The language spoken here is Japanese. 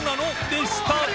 でした淵▲